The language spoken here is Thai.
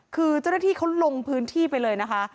คือเจ้าหน้าที่เขาลงพื้นที่ไปเลยนะคะ